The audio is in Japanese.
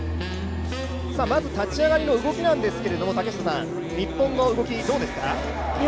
まず立ち上がりの動きなんですけど日本の動き、どうですか。